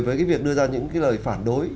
với việc đưa ra những lời phản đối